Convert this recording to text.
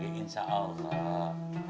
ya insya allah